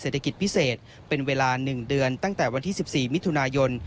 เศรษฐกิจพิเศษเป็นเวลา๑เดือนตั้งแต่วันที่๑๔มิถุนายน